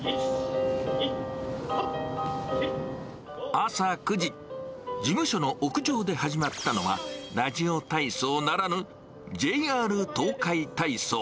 朝９時、事務所の屋上で始まったのは、ラジオ体操ならぬ、ＪＲ東海体操。